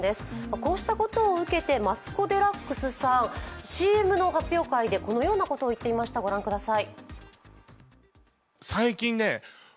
こういったことを受けてマツコ・デラックスさん、ＣＭの発表会でこのようなことを言っていました、御覧ください。